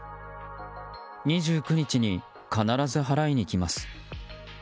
２９日に必ず払いに来ます。